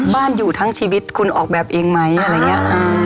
บ้านอยู่ทั้งชีวิตคุณออกแบบเองไหมอะไรอย่างนี้